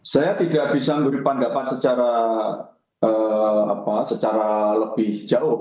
saya tidak bisa memberi pandangan secara lebih